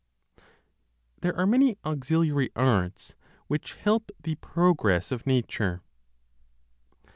THERE ARE MANY AUXILIARY ARTS WHICH HELP THE PROGRESS OF NATURE.